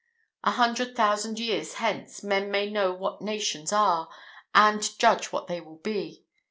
A hundred thousand years hence, men may know what nations are, and judge what they will be.